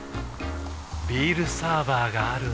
ビールサーバーがある夏。